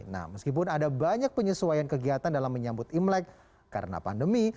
nah meskipun ada banyak penyesuaian kegiatan dalam menyambut imlek karena pandemi